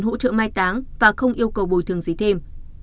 tổng số tiền hỗ trợ mai táng và không yêu cầu bồi thường gì thêm